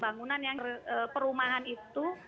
bangunan yang perumahan itu